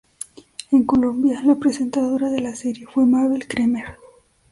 En Colombia la presentadora de la serie fue Mabel Kremer.